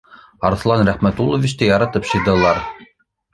Арыҫлан Рәхмәтулловичты яратып шидылар